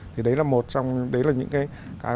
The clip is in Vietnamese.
thì đấy là một trong đấy là những cái